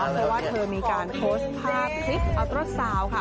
เพราะว่าเธอมีการพดหน้าคลิปอัลโตร์สาวของคุณค่ะ